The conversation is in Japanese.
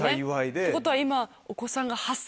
ってことは今。